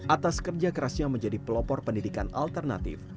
atas kerja kerasnya menjadi pelopor pendidikan alternatif